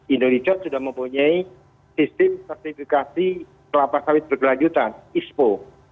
indonesia sudah mempunyai sistem sertifikasi kelapa sawit berkelanjutan ispo